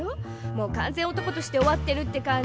もう完全男として終わってるって感じで。